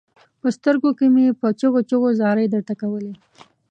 په سترګو کې مې په چيغو چيغو زارۍ درته کولې.